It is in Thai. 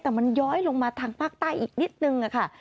แต่มันย้อยลงมาทางภาคใต้อีกนิดนึงค่ะ